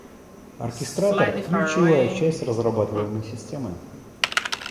Оркестратор – ключевая часть разрабатываемой системы